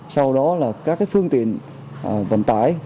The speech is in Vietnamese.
sau đó là các phương tiện vận tải